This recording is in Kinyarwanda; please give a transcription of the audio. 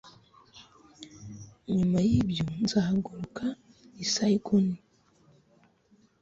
Nyuma yibyo nzahaguruka i Saigon